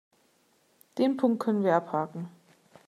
Den Punkt können wir abhaken.